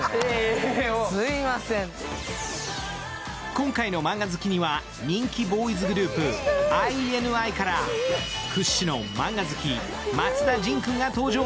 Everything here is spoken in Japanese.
今回の「マンガ好き」には人気ボーイズグループ、ＩＮＩから屈指のマンガ好き、松田迅君が登場。